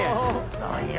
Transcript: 何や？